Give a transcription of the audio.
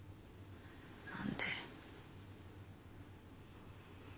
何で？